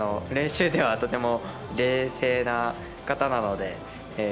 練習ではとても冷静な方なので。